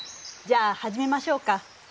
じゃあはじめましょうか。